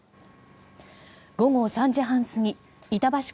午後３時半過ぎ板橋区